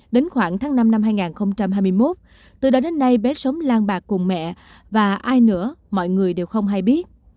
đến khoảng tháng năm năm hai nghìn hai mươi một từ đó đến nay bé sống lang bạc cùng mẹ và ai nữa mọi người đều không hay biết